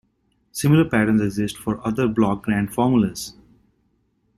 Similar patterns exist for other block grant formulas.